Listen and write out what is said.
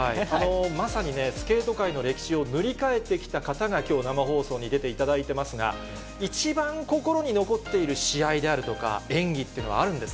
まさにね、スケート界の歴史を塗り替えてきた方がきょう、生放送に出ていただいてますが、一番心に残っている試合であるとか、演技っていうのはあるんです